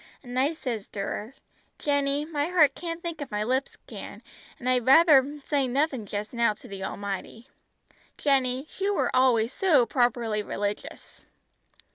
An' I sez to her, 'Jenny, my heart can't thank if my lips can, an' I'd rather say nothin' just now to the Almighty.' Jenny, she were always so properly religious!"